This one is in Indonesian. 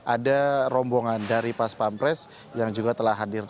ada rombongan dari pas pampres yang juga telah hadir